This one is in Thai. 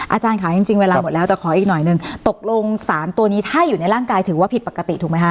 อาจารย์ค่ะจริงจริงเวลาหมดแล้วแต่ขออีกหน่อยนึงตกลง๓ตัวนี้ถ้าอยู่ในร่างกายถือว่าผิดปกติถูกไหมคะ